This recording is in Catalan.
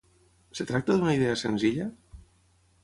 Es tracta d'una idea senzilla?